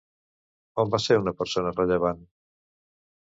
On va ser una persona rellevant?